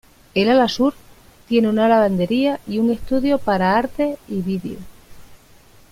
El ala Sur tiene una lavandería y un estudio para artes y vídeo.